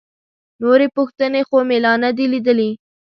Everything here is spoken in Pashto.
نورې پوښتنې خو مې لا نه دي لیدلي.